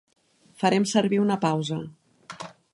Farem servir una pausa.